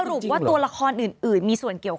คุณหนุ่มกัญชัยได้เล่าใหญ่ใจความไปสักส่วนใหญ่แล้ว